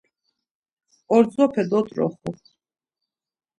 Ordzope dot̆roxu.